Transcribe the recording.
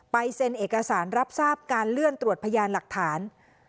เซ็นเอกสารรับทราบการเลื่อนตรวจพยานหลักฐาน